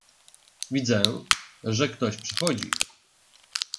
"Widzę, że ktoś przechodzi."